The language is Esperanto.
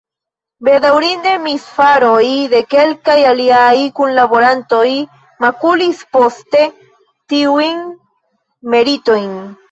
Bedaŭrinde misfaroj de kelkaj liaj kunlaborantoj makulis poste tiujn meritojn.